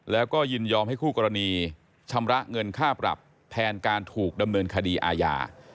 แล้วก็ยินยอมให้คู่กรณีชำระเงินค่าปรับแทนการถูกดำเนินคดีอาญา